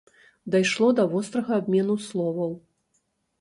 Дайшло да вострага абмену словаў.